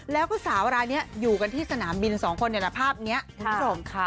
แล้วก็สาวรายนี้อยู่กันที่สนามบินสองคนเนี่ยแต่ภาพนี้คุณผู้ชมค่ะ